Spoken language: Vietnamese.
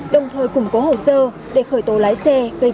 đồng thời củng cố hậu sơ để khởi tổ lái xe gây tai nạn chết người